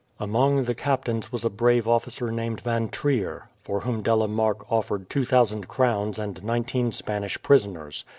Among the captains was a brave officer named Van Trier, for whom De la Marck offered two thousand crowns and nineteen Spanish prisoners.